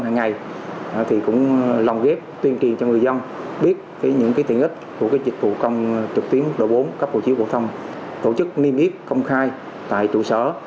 cấp hồ chiếu bộ thông tổ chức niêm yếp công khai tại trụ sở